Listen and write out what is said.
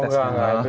oh enggak enggak